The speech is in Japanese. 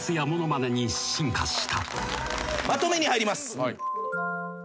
まとめに入ります。